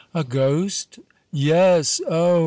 "A ghost?" "Yes! Oh!